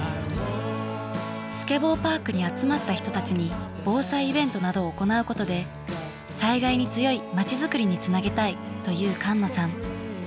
スケボーパークに集まった人たちに防災イベントなどを行うことで災害に強いまちづくりにつなげたいという菅野さん。